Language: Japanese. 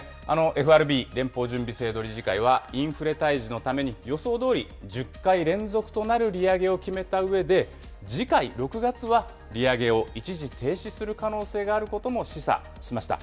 ＦＲＢ・連邦準備制度理事会はインフレ退治のために予想どおり、１０回連続となる利上げを決めたうえで、次回６月は利上げを一時停止する可能性があることも示唆しました。